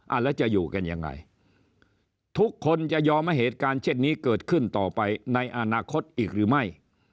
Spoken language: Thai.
แล้วจะอยู่กันยังไงทุกคนจะยอมให้เหตุการณ์เช่นนี้เกิดขึ้นต่อไปในอนาคตอีกหรือไม่